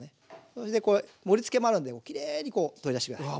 それでこれ盛りつけもあるのできれいに取り出して下さい。